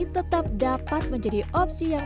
tetap dapat menjadi opsi yang